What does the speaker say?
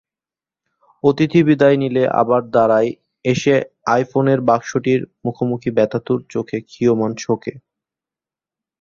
অতিথি বিদায় নিলে আবার দাঁড়াই এসেআইফোনের বাক্সটির মুখোমুখি ব্যথাতুর চোখেক্ষীয়মাণ শোকে।